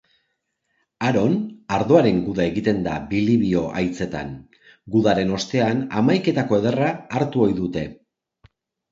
Haron, ardoaren guda egiten da Bilibio aitzetan. Gudaren ostean, hamaiketako ederra hartu ohi dute.